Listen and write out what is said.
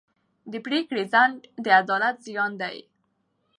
د پرېکړې ځنډ د عدالت زیان دی.